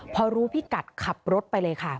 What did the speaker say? พอรู้พิกัดขับรถไปเลยค่ะ